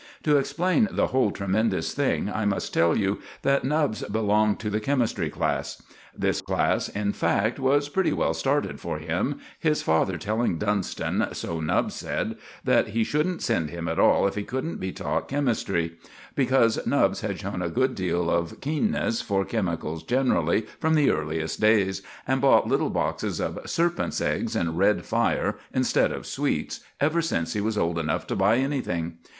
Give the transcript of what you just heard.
To explain the whole tremendous thing I must tell you that Nubbs belonged to the chemistry class. This class, in fact, was pretty well started for him, his father telling Dunston, so Nubbs said, that he shouldn't send him at all if he couldn't be taught chemistry; because Nubbs had shown a good deal of keenness for chemicals generally from the earliest days, and bought little boxes of "serpents' eggs" and red fire instead of sweets ever since he was old enough to buy anything.